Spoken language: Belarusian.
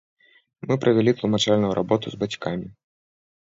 Мы правялі тлумачальную работу з бацькамі.